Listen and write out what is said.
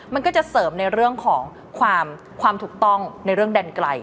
มันก็จะเสริมในเรื่องของความถูกต้องในเรื่องดันไกล